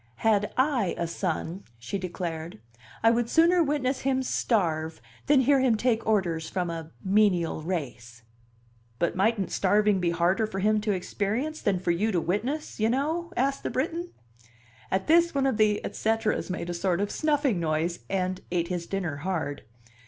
"Had I a son," she declared, "I would sooner witness him starve than hear him take orders from a menial race." "But mightn't starving be harder for him to experience than for you to witness, y' know?" asked the Briton. At this one of the et ceteras made a sort of snuffing noise, and ate his dinner hard.